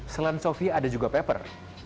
selain sofi ada juga pepper